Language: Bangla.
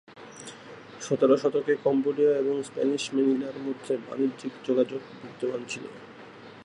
সতের শতকে কম্বোডিয়া এবং স্প্যানিশ ম্যানিলার মধ্যে বাণিজ্যিক যোগাযোগ বিদ্যমান ছিল।